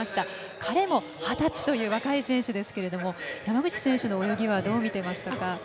彼も、二十歳という若い選手ですけれども山口選手の泳ぎはどのように見ていましたか？